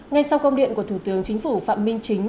ngay sau công điện của thủ tướng chính phủ phạm minh chính